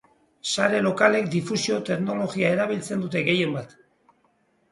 Sare lokalek difusio teknologia erabiltzen dute gehien bat.